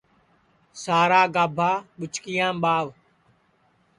سارا گابھا ٻُچکِیام ٻاہوَ